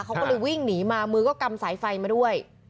เขาก็เลยวิ่งหนีมามือก็กำสายไฟมาด้วย